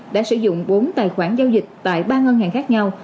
đã sử dụng bốn tài khoản giao dịch tại ba ngân hàng khác nhau